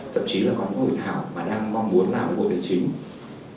thậm chí là có những người thảo mà đang mong muốn làm một ngôi tài chính